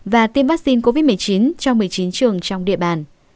và tiêm vaccine covid một mươi chín cho một mươi chín trường trong địa bàn